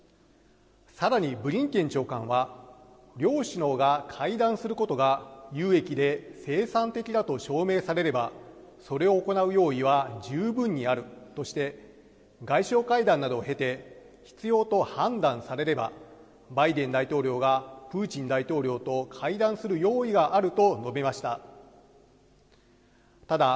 さらにブリンケン長官は、両首脳が会談することが有益で生産的だと証明されれば、それを行う用意は十分にあるとして、外相会談などを経て必要と判断されれば、バイデン大統領がプーチン大統領と会談する用意があると述べました。